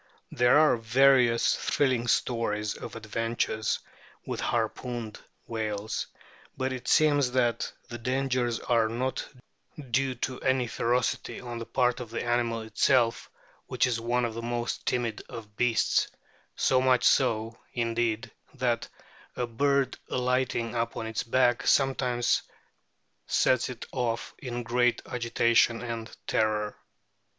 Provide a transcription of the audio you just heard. There are various thrilling stories of adventures with harpooned whales ; but it seems that the dangers are not due to any ferocity on the part of the animal itself, which is one of the most timid of beasts, so much so, indeed, that "a bird alighting upon its back sometimes sets it off in great agitation and terror."